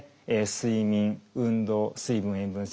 睡眠運動水分・塩分摂取。